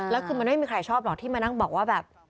แล้วคือมันไม่มีใครชอบหรอกที่มานั่งบอกว่าแบบ